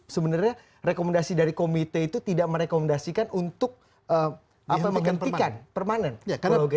sebenarnya rekomendasi dari komite itu tidak merekomendasikan untuk menghentikan permanen